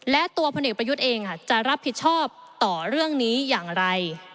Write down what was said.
และตัวพลเอกประยุทธ์เองจะรับผิดชอบต่อเรื่องนี้อย่างไร